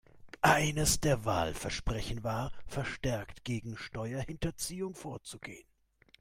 Eines der Wahlversprechen war, verstärkt gegen Steuerhinterziehung vorzugehen.